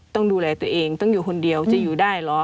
ต้องดูแลตัวเองต้องอยู่คนเดียวจะอยู่ได้เหรอ